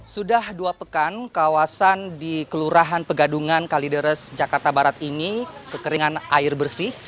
sudah dua pekan kawasan di kelurahan pegadungan kalideres jakarta barat ini kekeringan air bersih